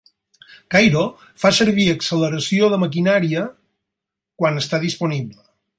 Cairo fa servir acceleració de maquinària quan està disponible.